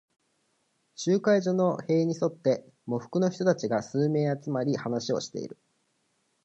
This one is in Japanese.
集会所の塀に沿って、喪服の人たちが数名集まり、話をしている。